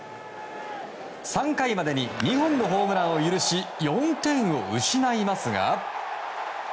３回までに２本のホームランを許し４点を失いますが。